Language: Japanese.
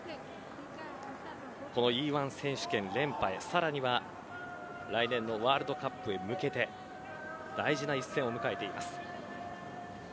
このＥ‐１選手権、連覇へさらには来年のワールドカップへ向けて大事な一戦を迎えています。